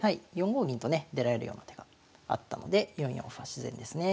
４五銀とね出られるような手があったので４四歩は自然ですね。